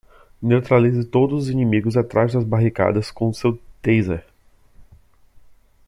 Neutralize todos os inimigos atrás das barricadas com o seu taser.